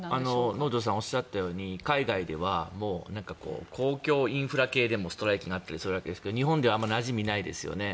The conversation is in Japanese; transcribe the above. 能條さんがおっしゃったように海外では公共インフラ系でもストライキがあったりするわけですが日本ではあまりなじみがないですよね。